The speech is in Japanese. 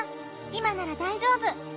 いまならだいじょうぶ。